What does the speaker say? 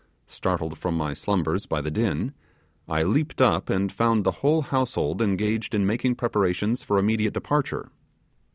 Startled from my slumbers by the din, I leaped up, and found the whole household engaged in making preparations for immediate departure.